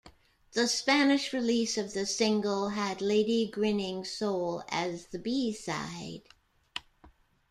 The Spanish release of the single had "Lady Grinning Soul" as the B-side.